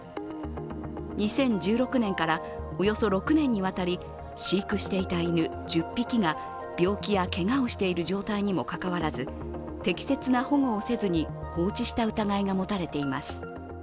２０１６年から、およそ６年にわたり飼育していた犬１０匹が病気やけがをしている状態にもかかわらず、適切な保護をせずに放置した疑いが持たれています。